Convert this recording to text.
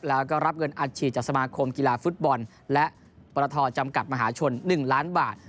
แล้วก็รับเงินอัดฉีดจากสมาคมกีฬาฟุตบอลและปรทจำกัดมหาชน๑ล้านบาท